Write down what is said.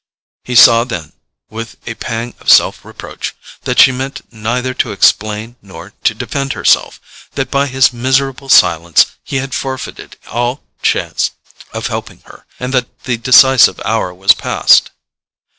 He saw then, with a pang of self reproach, that she meant neither to explain nor to defend herself; that by his miserable silence he had forfeited all chance of helping her, and that the decisive hour was past.